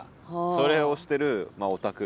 それを推してるオタク。